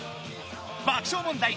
爆笑問題